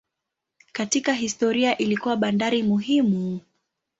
Katika historia ilikuwa bandari muhimu.